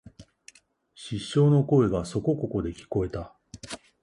失笑の声がそこここで聞えた